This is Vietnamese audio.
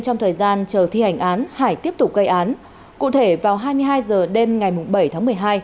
trong thời gian chờ thi hành án hải tiếp tục gây án cụ thể vào hai mươi hai h đêm ngày bảy tháng một mươi hai